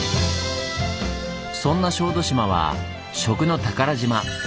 そんな小豆島は「食の宝島」。